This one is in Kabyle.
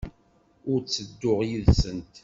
Ur ttedduɣ yid-sent.